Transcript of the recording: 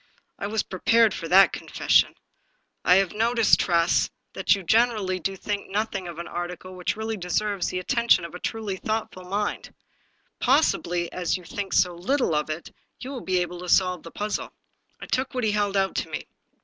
" I was prepared for that confession. I have noticed, Tress, that you gener ally do think nothing of an article which really deserves the attention of a truly thoughtful mind. Possibly, as you think so little of it, you will be able to solve the puzzle." I took what he held out to me.